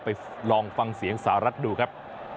ไปลองฟังเสียงสหรัฐดูครับ